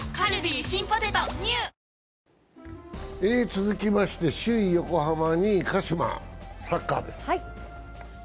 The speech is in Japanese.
続きまして、首位・横浜、２位・鹿島、サッカーです。